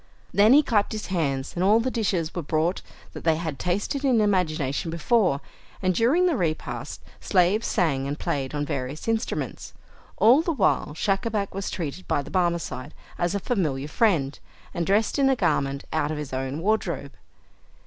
Then he clapped his hands, and all the dishes were brought that they had tasted in imagination before and during the repast, slaves sang and played on various instruments. All the while Schacabac was treated by the Barmecide as a familiar friend, and dressed in a garment out of his own wardrobe.